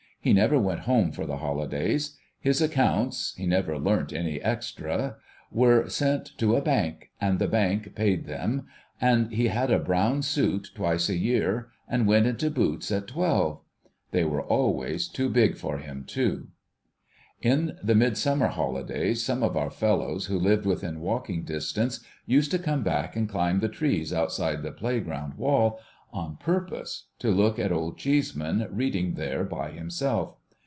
He never went home for the hohdays. His accounts (he never learnt any extras) were sent to a Bank, and the Bank paid them ; and he had a brown suit twice a year, and went into boots at twelve. They were always too big for him, too. In the Midsummer holidays, some of our fellows who lived within walking distance, used to come back and climb the trees outside the playground wall, on purpose to look at Old Chceseman reading there by himself.